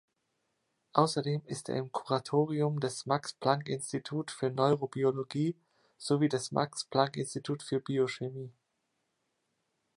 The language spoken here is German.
Außerdem ist er im Kuratorium des Max-Planck-Institut für Neurobiologie sowie des Max-Planck-Institut für Biochemie.